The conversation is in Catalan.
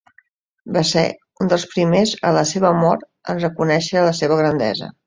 Va ser un dels primers, a la seva mort, en reconèixer la seva grandesa.